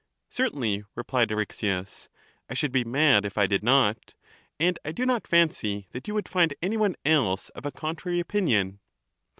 Certainly, replied Eryxias ; I should be mad if I did not : and I do not fancy that you would find any one else of a con trary opinion.